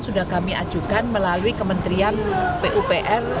sudah kami ajukan melalui kementerian pupr